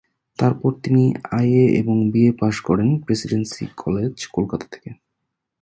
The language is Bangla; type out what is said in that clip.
তারপর তিনি আইএ এবং বিএ পাশ করেন প্রেসিডেন্সি কলেজ, কলকাতা থেকে।